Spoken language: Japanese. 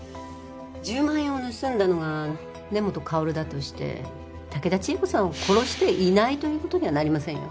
１０万円を盗んだのは根本かおるだとして竹田千恵子さんを殺していないということにはなりませんよ。